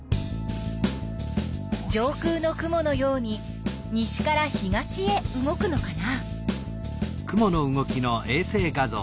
上空の雲のように西から東へ動くのかな？